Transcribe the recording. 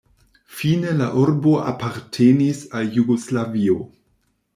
Fine la urbo apartenis al Jugoslavio.